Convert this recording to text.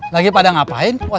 lagi pada ngapain